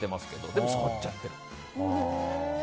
でも、触っちゃってる。